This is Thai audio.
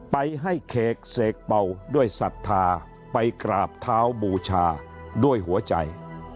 ไปให้เขกเสกเป่าด้วยศรัทธาไปกราบเท้าบูชาด้วยหัวใจ